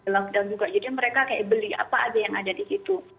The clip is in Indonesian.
lockdown juga jadi mereka kayak beli apa aja yang ada di situ